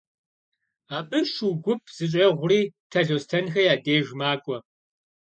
Абы шу гуп зэщӀегъури Талъостэнхэ я деж макӀуэ.